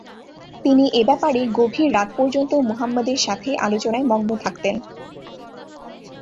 তিনি এ ব্যাপারে গভীর রাত পর্যন্ত মুহাম্মাদের সাথে আলোচনায় মগ্ন থাকতেন।